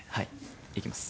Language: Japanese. いきます。